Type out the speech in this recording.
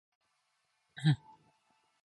도리어 적지 않은 정신상 육체상 고통을 주었을 뿐이다.